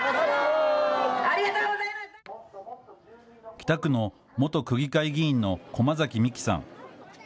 北区の元区議会議員の駒崎美紀さん。